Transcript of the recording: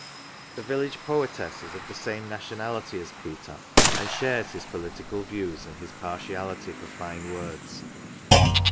"" The village poetess is of the same nationality as Peter, and shares his political views and his partiality for fine words.